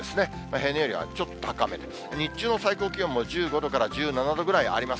平年よりはちょっと高めで、日中の最高気温も１５度から１７度ぐらいあります。